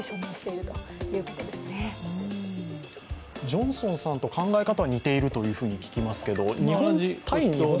ジョンソンさんと考え方は似ていると聞きますけれども。